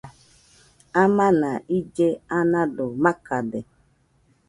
Amana ille anado makade